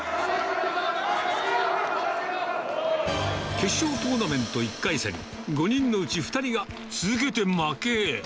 決勝トーナメント１回戦、５人のうち２人が続けて負け。